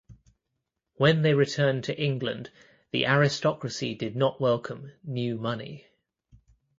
When they returned to England the aristocracy did not welcome "new money".